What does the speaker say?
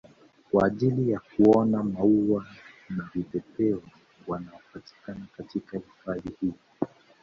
Kwa ajili ya kuona maua na vipepeo wanaopatikana katika hifadhi hii